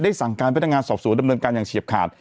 สั่งการพนักงานสอบสวนดำเนินการอย่างเฉียบขาด